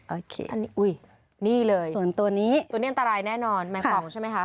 โอเคนี่เลยตัวนี้อันตรายแน่นอนแมงปล่องใช่ไหมคะ